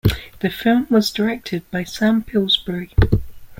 The film was directed by Sam Pillsbury.